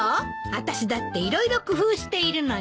あたしだって色々工夫しているのよ。